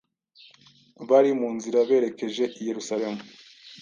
Bari mu nzira berekeje i Yerusalemu,